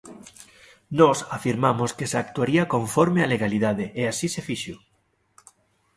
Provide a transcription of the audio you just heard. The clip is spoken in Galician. Nós afirmamos que se actuaría conforme á legalidade, e así se fixo.